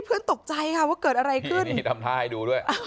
เพื่อนตกใจค่ะว่าเกิดอะไรขึ้นนี่นี่ทำท่าให้ดูด้วยอ๋อ